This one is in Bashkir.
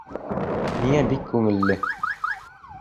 Миңә бик күңелле.